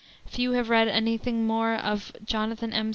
Few have read any thing more of Jonathan M.